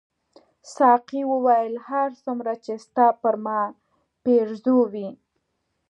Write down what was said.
ساقي وویل هر څومره چې ستا پر ما پیرزو وې.